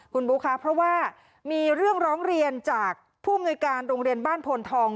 คุณบุ๊คค่ะเพราะว่ามีเรื่องร้องเรียนจากผู้อำนวยการโรงเรียนบ้านโพนทอง